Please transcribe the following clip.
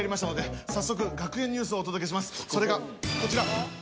それがこちら。